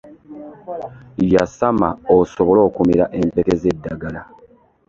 Yasama osobole okumira empere z'eddagala.